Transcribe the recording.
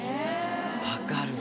分かる。